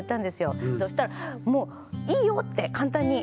そしたらもう「いいよ」って簡単に。